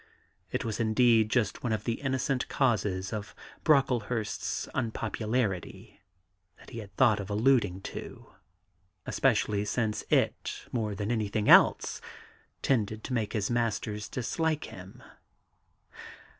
It was indeed just one of the innocent causes of Brocklehurst's unpopularity that he had thought of alluding to, especially since it, more than anything else, tended to make his masters dislike him.